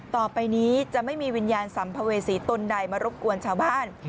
ต่อไปนี้จะไม่มีวิญญาณสัมภเวษีตนใดมารบกวนชาวบ้าน